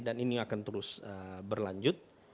dan ini akan terus berlanjut